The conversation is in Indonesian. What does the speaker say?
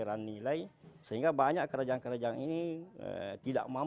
adalah satu dari sekian banyak warisan yang diperlukan